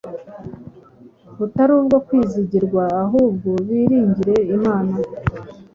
butari ubwo kwizigirwa, ahubwo biringire Imana,